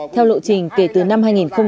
theo lộ trình kể từ năm hai nghìn hai mươi